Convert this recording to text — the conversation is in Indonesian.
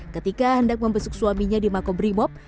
ketika hendak membesuk suaminya di makobrimob